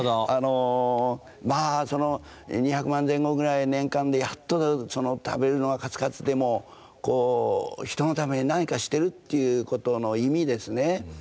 あのまあその２００万前後ぐらい年間でやっと食べるのがカツカツでも人のために何かしてるっていうことの意味ですね。